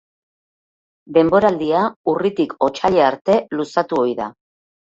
Denboraldia urritik otsaila arte luzatu ohi da.